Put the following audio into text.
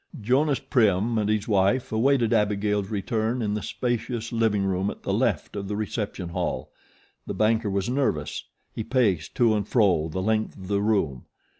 Jonas Prim and his wife awaited Abigail's return in the spacious living room at the left of the reception hall. The banker was nervous. He paced to and fro the length of the room.